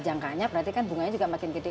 jangkanya berarti kan bunganya juga makin gede